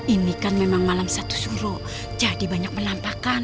ini kan memang malam satu suruh jadi banyak melampakan